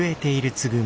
つぐみ！